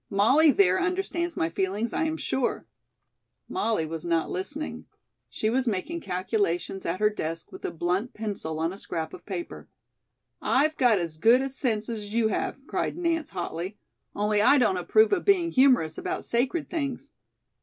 Molly, there, understands my feelings, I am sure." Molly was not listening. She was making calculations at her desk with a blunt pencil on a scrap of paper. "I've got as good a sense as you have," cried Nance hotly, "only I don't approve of being humorous about sacred things."